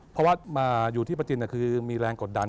เพราะว่าอยู่ที่ประจินคือมีแรงกดดัน